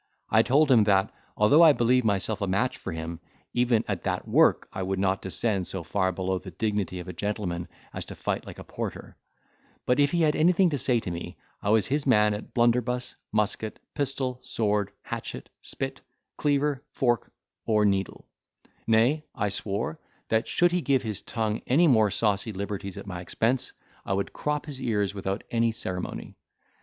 I told him that, although I believed myself a match for him even at that work I would not descend so far below the dignity of a gentleman as to fight like a porter; but if he had anything to say to me, I was his man at blunderbuss, musket, pistol, sword, hatchet, spit, cleaver, fork, or needle; nay, I swore, that should he give his tongue any more saucy liberties at my expense, I would crop his ears without any ceremony.